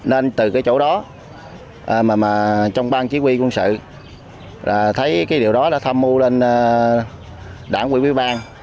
nên từ cái chỗ đó mà trong bang chí quy quân sự là thấy cái điều đó đã tham mưu lên đảng quỹ quý bang